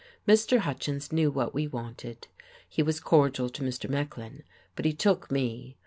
Mr. Hutchins knew what he wanted. He was cordial to Mr. Mecklin, but he took me.